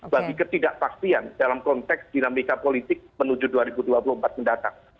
bagi ketidakpastian dalam konteks dinamika politik menuju dua ribu dua puluh empat mendatang